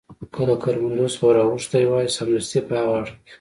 که له کروندو څخه ور اوښتي وای، سمدستي په هاغه اړخ کې.